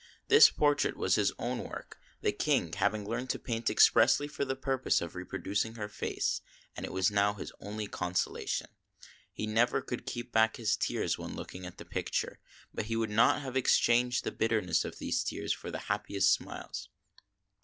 This portrait was his own work, the King having learned to paint expressly for the purpose of reproduc ing her face ; and it was now his only consolation. He never could keep back his tears when looking at the picture ; but he would not have exchanged the bitterness of these tears for the happiest smiles.